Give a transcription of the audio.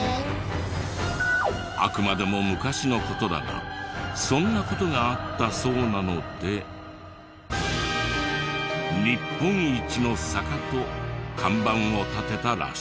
あくまでも昔の事だがそんな事があったそうなので「日本一の坂」と看板を立てたらしい。